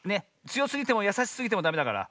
つよすぎてもやさしすぎてもダメだから。